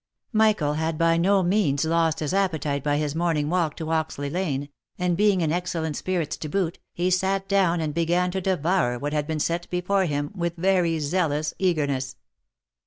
Michael had by no means lost his appetite by his morning walk to Hoxley lane, and being in excellent spirits to boot, he sat down and began to devour what had been set before him with very zealous eagerness.